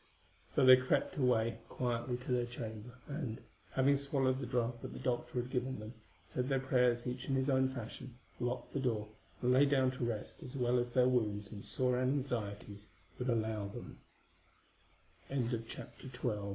So they crept away quietly to their chamber, and, having swallowed the draught that the doctor had given them, said their prayers each in his own fashion, locked the door, and lay down to rest as well as their wounds and sore anxieties wou